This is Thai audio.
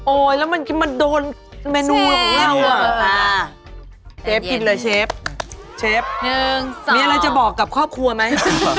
แล้วมันมาโดนเมนูของเราอ่ะเชฟกินเลยเชฟเชฟหนึ่งมีอะไรจะบอกกับครอบครัวไหม